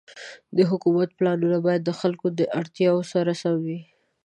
د حکومت پلانونه باید د خلکو د اړتیاوو سره سم وي.